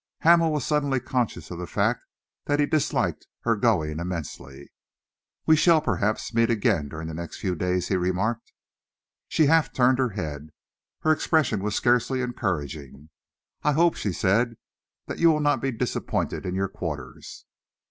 Hamel was suddenly conscious of the fact that he disliked her going immensely. "We shall, perhaps, meet again during the next few days," he remarked. She half turned her head. Her expression was scarcely encouraging. "I hope," she said, "that you will not be disappointed in your quarters."